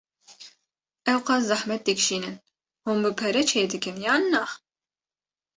Ewqas zehmet dikşînin hûn bi pere çê dikî yan na?